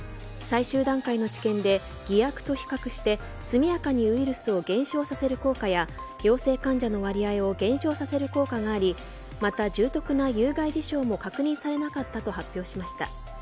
最終段階の治験で偽薬と比較して速やかにウイルスを減少させる効果や陽性患者の割合を減少させる効果がありまた重篤な有害事象も確認されなかったと発表しました。